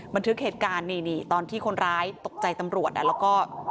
บันทึกเหตุการณ์นี่ตอนที่คนร้ายตกใจตำรวจแล้วก็